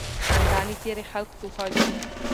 خندانې څېرې خلک خوښوي.